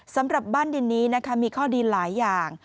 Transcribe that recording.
สำหรับบ้านดินนี้นะคะมีข้อดีหลายอย่าง